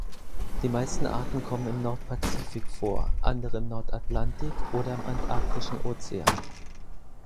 Die meisten Arten kommen im Nordpazifik vor, andere im Nordatlantik oder im antarktischen Ozean.